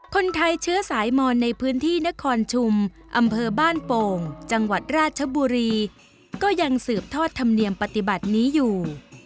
คนไทยเชื้อสายมอนในพื้นที่นครชุมอำเภอบ้านโป่งจังหวัดราชบุรีก็ยังสืบทอดธรรมเนียมปฏิบัตินี้อยู่